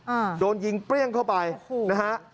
อ่าโดนยิงเปรี้ยงเข้าไปโอ้โหนะฮะ